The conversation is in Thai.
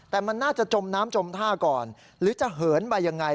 แต่มันน่าจะจมน้ำจมท่าก่อนหรือจะเหินมายังไง